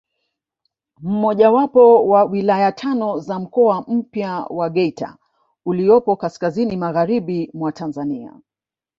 Mojawapo ya wilaya tano za mkoa mpya wa Geita uliopo kaskazini magharibi mwa Tanzania